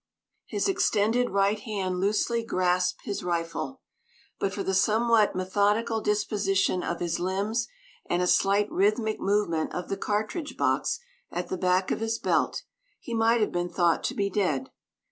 His extended right hand loosely grasped his rifle. But for the somewhat methodical disposition of his limbs and a slight rhythmic movement of the cartridge box at the back of his belt, he might have been thought to be dead.